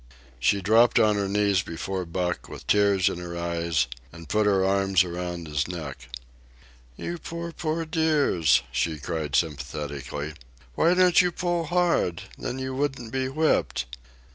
She dropped on her knees before Buck, with tears in her eyes, and put her arms around his neck. "You poor, poor dears," she cried sympathetically, "why don't you pull hard?—then you wouldn't be whipped."